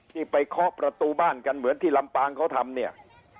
ที่ไปเคาะประตูบ้านกันเหมือนที่ลำปางเขาทำเนี่ย